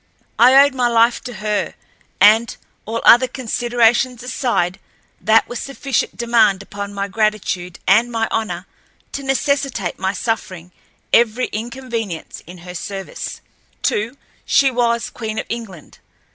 I owed my life to her, and, all other considerations aside, that was sufficient demand upon my gratitude and my honor to necessitate my suffering every inconvenience in her service. Too, she was queen of England.